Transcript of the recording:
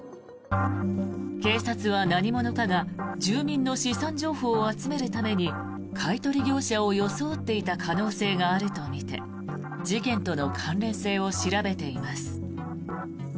警察は、何者かが住民の資産情報を集めるために買い取り業者を装っていた可能性があるとみて事件との関連性を調べています。